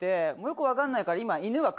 よく分かんないから今。